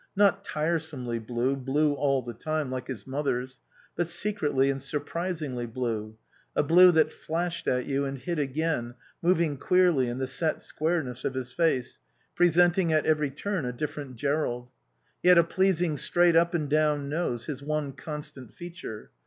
Not tiresomely blue, blue all the time, like his mother's, but secretly and surprisingly blue, a blue that flashed at you and hid again, moving queerly in the set squareness of his face, presenting at every turn a different Jerrold. He had a pleasing straight up and down nose, his one constant feature.